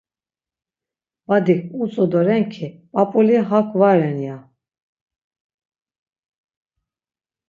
Badik utzu doren-ki, 'p̌ap̌uli hak va ren' ya.